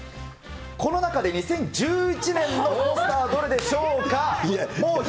この中で２０１１年のポスターはどれでしょうか。